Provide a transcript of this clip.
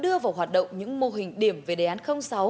đưa vào hoạt động những mô hình điểm về đề án sáu